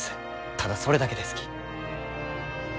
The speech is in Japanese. ただそれだけですき。